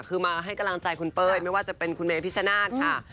คือมาให้กำลังใจคุณเป้ยไม่ว่าจะเป็นคุณเมพิชชนาธิ์ค่ะ